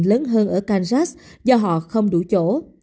nhiều bệnh viện lớn hơn ở kansas do họ không đủ chỗ